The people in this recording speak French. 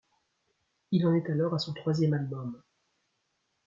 Il en est alors à son troisième album.